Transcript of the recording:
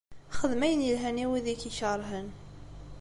Xdem ayen ilhan i wid i k-ikeṛhen.